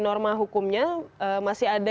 norma hukumnya masih ada